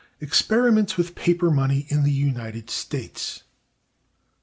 Experiments with paper Money in the United States.